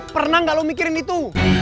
pernah nggak lo mikirin itu